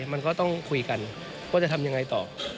มันก็ต้องคุยกันว่าจะทำยังไงต่อ